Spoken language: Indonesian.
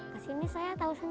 kesini saya tahu sendiri